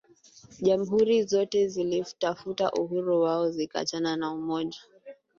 jamhuri zote zilitafuta uhuru wao zikaachana na Umoja